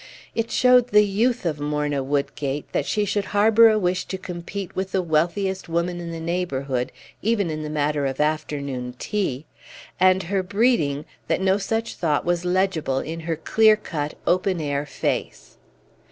It showed the youth of Morna Woodgate that she should harbor a wish to compete with the wealthiest woman in the neighborhood, even in the matter of afternoon tea, and her breeding that no such thought was legible in her clear cut open air face.